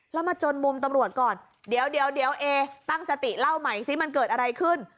แล้วมาจนมุมตำรวจก่อนเดี๋ยวเอตั้งสติเล่าใหม่ซิมันเกิดอะไรขึ้น